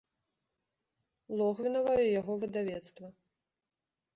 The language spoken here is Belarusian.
Логвінава і яго выдавецтва.